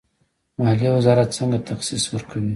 مالیې وزارت څنګه تخصیص ورکوي؟